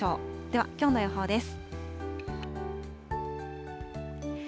では、きょうの予報です。